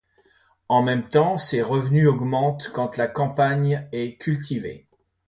En même temps, ses revenus augmentent quand la campagne est cultivée.